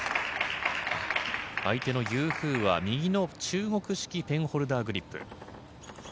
相手のユー・フーは右の中国式ペンホルダーグリップ。